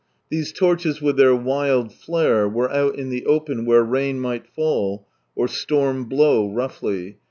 These torches with their wild flare, were out in the open where rain might fall, or storm blow roughly.